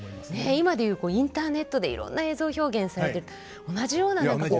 今でいうインターネットでいろんな映像表現されてる同じような何かこう。